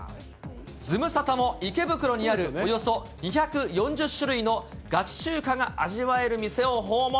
ズムサタも、池袋にあるおよそ２４０種類のガチ中華が味わえる店を訪問。